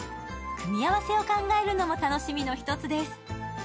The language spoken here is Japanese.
組み合わせを考えるのも楽しみの一つです。